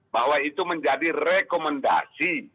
bahwa itu menjadi rekomendasi